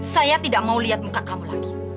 saya tidak mau lihat muka kamu lagi